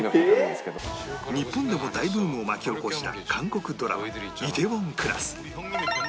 日本でも大ブームを巻き起こした韓国ドラマ『梨泰院クラス』